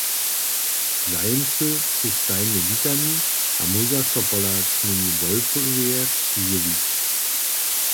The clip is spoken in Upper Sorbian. Zajimcy su stajnje witani a móža so pola knj. Wolfoweje přizjewić.